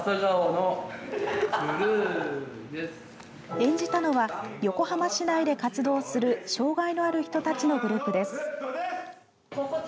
演じたのは横浜市内で活動する障害のある人たちのグループです。